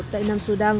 tại nam sư đăng